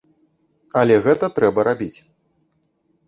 Але гэта трэба рабіць.